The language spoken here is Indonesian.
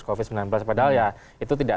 covid sembilan belas padahal ya itu tidak